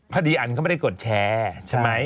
พอดีอันก็ไม่ได้กดแชร์ใช่ไหม